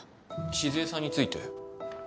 静江さんについて？